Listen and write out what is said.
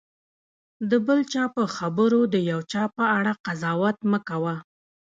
د بل چا په خبرو د یو چا په اړه قضاوت مه کوه.